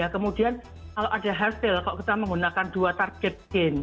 kemudian kalau ada hasil kalau kita menggunakan dua target gain